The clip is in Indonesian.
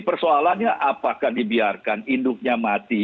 persoalannya apakah dibiarkan induknya mati